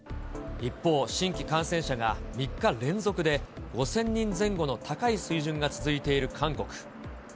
一方、新規感染者が３日連続で５０００人前後の高い水準が続いている韓国。